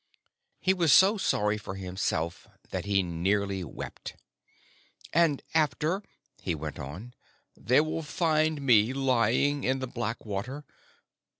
He was so sorry for himself that he nearly wept. "And after," he went on, "they will find me lying in the black water.